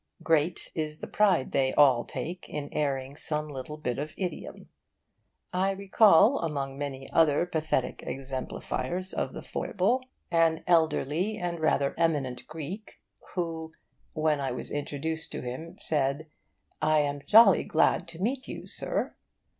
Great is the pride they all take in airing some little bit of idiom. I recall, among many other pathetic exemplifiers of the foible, an elderly and rather eminent Greek, who, when I was introduced to him, said 'I am jolly glad to meet you, Sir!